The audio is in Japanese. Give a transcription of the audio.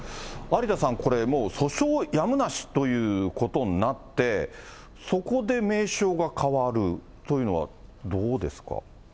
有田さん、これもう訴訟やむなしということになって、そこで名称が変わるというのはどうですか。